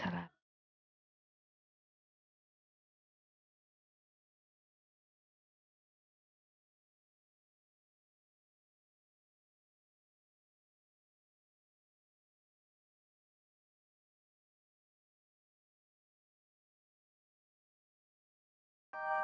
ya udah skill p